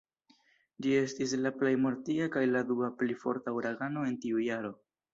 Ĝi estis la plej mortiga kaj la dua pli forta uragano en tiu jaro.